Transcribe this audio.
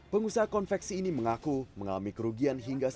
pengusaha konveksi ini mengaku mengalami kerugian hingga sepuluh tahun